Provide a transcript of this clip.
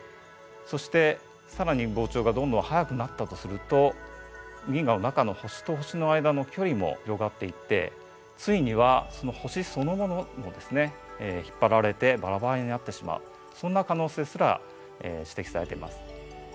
そして更に膨張がどんどん速くなったとすると銀河の中の星と星の間の距離も広がっていってついには星そのものもですね引っ張られてバラバラになってしまうそんな可能性すら指摘されています。